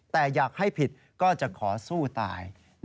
แต่อยากให้ผิดก็จะขอสู้ตาย